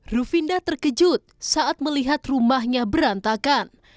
rufinda terkejut saat melihat rumahnya berantakan